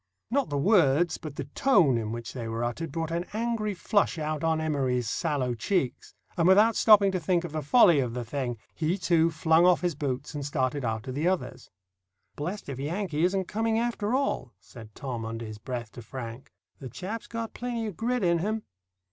Not the words, but the tone in which they were uttered, brought an angry flush out on Emory's sallow cheeks, and without stopping to think of the folly of the thing, he too flung off his boots and started after the others. "Blessed if Yankee isn't coming, after all," said Tom, under his breath, to Frank. "The chap's got plenty of grit in him."